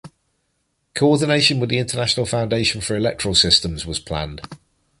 Coordination with the International Foundation for Electoral Systems was planned.